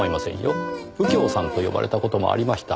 右京さんと呼ばれた事もありました。